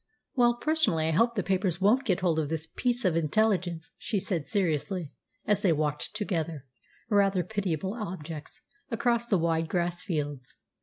"Well, personally, I hope the papers won't get hold of this piece of intelligence," she said seriously, as they walked together, rather pitiable objects, across the wide grass fields.